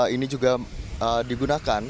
ini juga digunakan